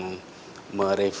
dikirim oleh dpr